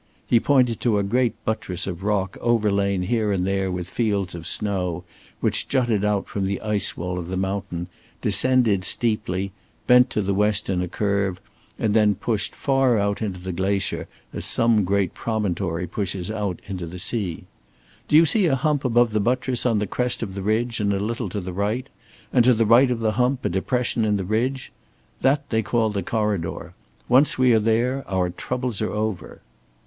He pointed to a great buttress of rock overlain here and there with fields of snow, which jutted out from the ice wall of the mountain, descended steeply, bent to the west in a curve, and then pushed far out into the glacier as some great promontory pushes out into the sea. "Do you see a hump above the buttress, on the crest of the ridge and a little to the right? And to the right of the hump, a depression in the ridge? That's what they call the Corridor. Once we are there our troubles are over."